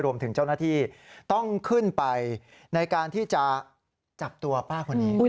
รวมถึงเจ้าหน้าที่ต้องขึ้นไปในการที่จะจับตัวป้าคนนี้